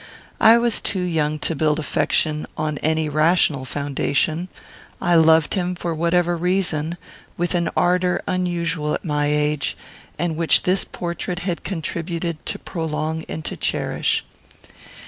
I was too young to build affection on any rational foundation. I loved him, for whatever reason, with an ardour unusual at my age, and which this portrait had contributed to prolong and to cherish.